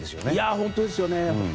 本当ですよね。